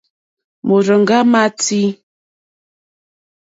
Màrzòŋɡá má tʃí.